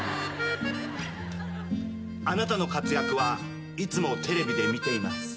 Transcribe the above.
「あなたの活躍はいつもテレビで見ています」